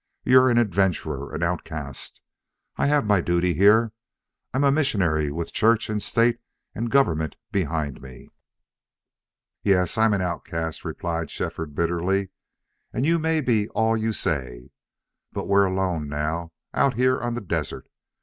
"You're an adventurer an outcast. I've my duty here. I'm a missionary with Church and state and government behind me." "Yes, I'm an outcast," replied Shefford, bitterly. "And you may be all you say. But we're alone now out here on the desert.